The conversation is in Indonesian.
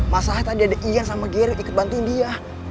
masalahnya tadi ada ian sama gary ikut bantuin dia